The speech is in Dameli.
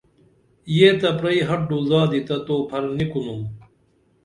یہ تہ پرئی ہڈو زادی تہ تو پھر نی کُنُم